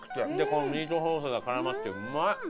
このミートソースが絡まってうまい！